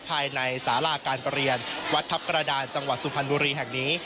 ภายในสาราการประเรียนวัดทัพกระดานจังหวัดสุพรรณบุรีแห่งนี้